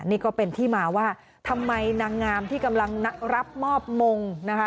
นี่ก็เป็นที่มาว่าทำไมนางงามที่กำลังรับมอบมงนะคะ